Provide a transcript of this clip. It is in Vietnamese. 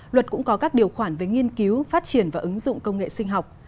luật cũng có các điều khoản về nghiên cứu phát triển và ứng dụng công nghệ sinh học